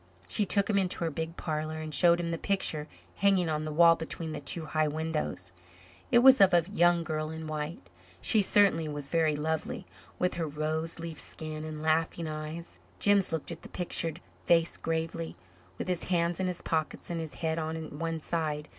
She took him into her big parlor and showed him the picture hanging on the wall between the two high windows. It was of a young girl in white. She certainly was very lovely, with her rose leaf skin and laughing eyes. Jims looked at the pictured face gravely, with his hands in his pockets and his head on one side.